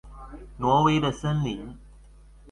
挪威的森林